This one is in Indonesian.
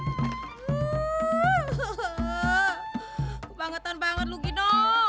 kebangetan banget lu gino